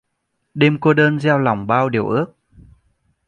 Đêm cô đơn gieo lòng bao điều ước